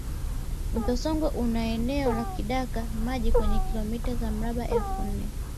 Mto Songwe una eneo la kidaka maji chenye kilomita za mraba elfu nne